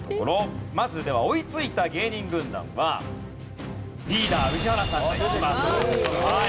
まずでは追いついた芸人軍団はリーダー宇治原さんでいきます。